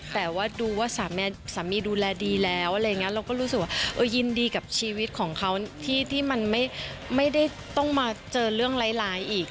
แต่ว่าดูว่าสามีดูแลดีแล้วอะไรอย่างนี้เราก็รู้สึกว่ายินดีกับชีวิตของเขาที่มันไม่ได้ต้องมาเจอเรื่องร้ายอีก